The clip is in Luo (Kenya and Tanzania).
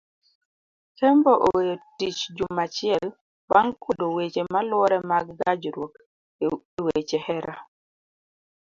Kembo oweyo tich juma achiel bang kwedo weche maluore mag gajruok eweche hera.